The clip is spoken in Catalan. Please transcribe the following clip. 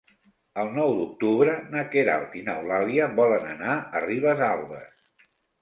El nou d'octubre na Queralt i n'Eulàlia volen anar a Ribesalbes.